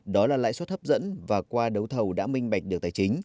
đó là lãi suất hấp dẫn và qua đấu thầu đã minh bạch được tài chính